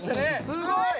すごい！